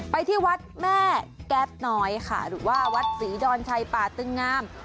ไปที่วัดแม่แก๊ปน้อยค่ะหรือว่าวัดศรีดอนชัยป่าตึงงาม